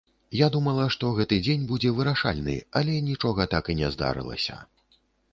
Я думала, што гэты дзень будзе вырашальны, але нічога так і не здарылася.